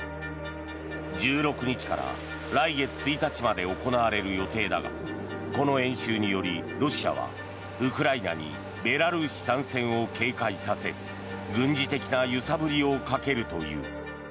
１６日から来月１日まで行われる予定だがこの演習によりロシアはウクライナにベラルーシ参戦を警戒させ軍事的な揺さぶりをかけるという。